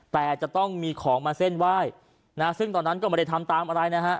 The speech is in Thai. แต่จะต้องมีของมาเส้นไหว้นะซึ่งตอนนั้นก็ไม่ได้ทำตามอะไรนะฮะ